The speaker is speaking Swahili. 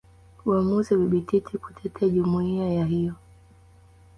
Uamuzi wa Bibi Titi kutetea jumuiya ya hiyo